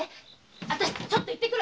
あたしちょっと行ってくる！